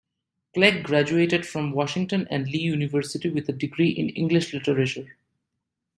Clegg graduated from Washington and Lee University, with a degree in English Literature.